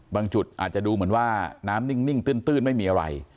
จุดอาจจะดูเหมือนว่าน้ำนิ่งตื้นไม่มีอะไร